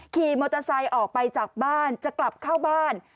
ขี่มอเตอร์ไซค์ออกไปจากบ้านจะกลับเข้าบ้าน